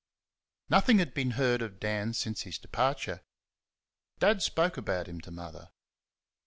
Nothing had been heard of Dan since his departure. Dad spoke about him to Mother.